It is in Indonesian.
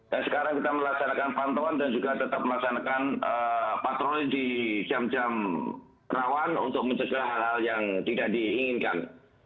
dan sekarang kita melaksanakan pantauan dan juga tetap melaksanakan patroli di jam jam rawan untuk mencegah hal hal yang tidak diinginkan